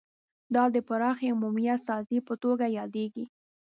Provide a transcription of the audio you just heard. دا د پراخې عمومیت سازۍ په توګه یادیږي